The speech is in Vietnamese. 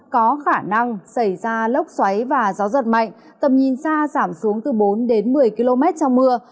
có khả năng xảy ra lốc xoáy và gió giật mạnh tầm nhìn xa giảm xuống từ bốn đến một mươi km trong mưa